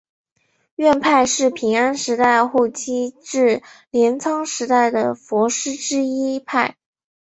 院派是平安时代后期至镰仓时代的佛师之一派。